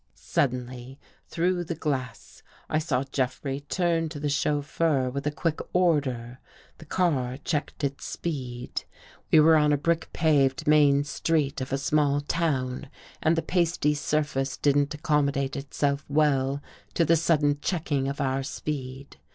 Suddenb^ through the glass, I saw Jeffrey turn to the chauffeur with a quick order. The car checked its speed. We were on a brick paved main 209 THE GHOST GIRL street of a small town and the pasty surface didn't accommodate itself well to the sudden checking of our speed.